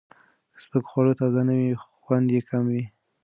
که سپک خواړه تازه نه وي، خوند یې کم وي.